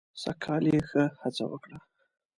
سږ کال یې ښه هڅه وکړه.